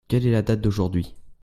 Quel est la date d'aujourd'hui ?